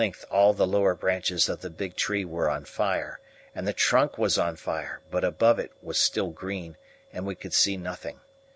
At length all the lower branches of the big tree were on fire, and the trunk was on fire, but above it was still green, and we could see nothing.